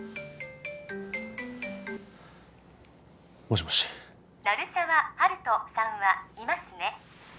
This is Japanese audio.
もしもし鳴沢温人さんはいますね？